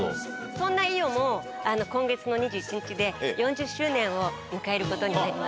そんな伊代も、今月の２１日で４０周年を迎えることになります。